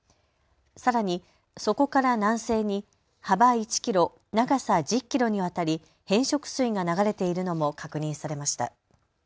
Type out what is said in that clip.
さらにそこから南西に幅１キロ、長さ１０キロにわたり変色水が流れているのも確認されました。